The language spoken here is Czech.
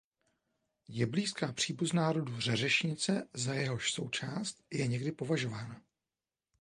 Je blízká příbuzná rodu řeřišnice za jehož součást je někdy považována.